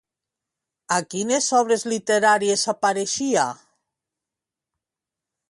A quines obres literàries apareixia?